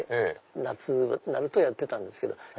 夏になるとやってたんですけど。